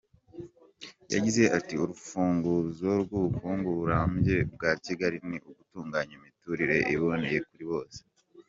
Yagize ati: “Urufunguzo rw’ubukungu burambye bwa Kigali ni ugutunganya imiturire iboneye kuri bose”.